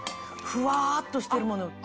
ふわっとしてるもの。